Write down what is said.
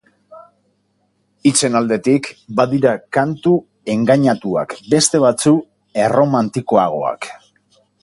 Hitzen aldetik, badira kantu engaiatuak, beste batzu erromantikoagoak.